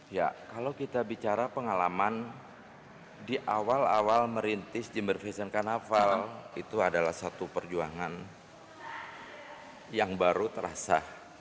ya kalau kita bicara pengalaman di awal awal merintis jember vision carnaval itu adalah satu perjuangan yang baru terasa